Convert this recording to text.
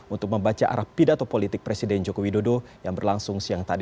untuk membaca arah pidato politik presiden joko widodo yang berlangsung siang tadi